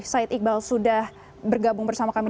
said iqbal sudah bergabung bersama kami